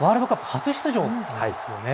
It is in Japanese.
初出場なんですよね。